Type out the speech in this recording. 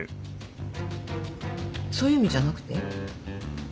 そういう意味じゃなくて？